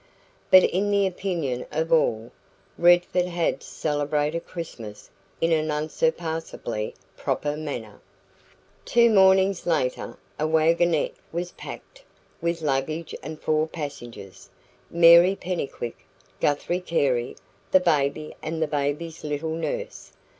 But in the opinion of all, Redford had celebrated Christmas in an unsurpassably proper manner. Two mornings later, a waggonette was packed with luggage and four passengers Mary Pennycuick, Guthrie Carey, the baby and the baby's little nurse.